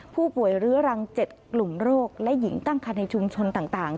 เรื้อรัง๗กลุ่มโรคและหญิงตั้งคันในชุมชนต่าง